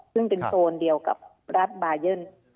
ซึ่งเป็นโซนเดียวกับรัฐบายัน